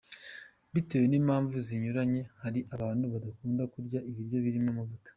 Bitewe n’impamvu zinyuranye, hari abantu badakunda kurya ibiryo birimo amavuta.